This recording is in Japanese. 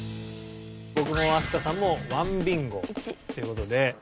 僕も飛鳥さんも１ビンゴという事で。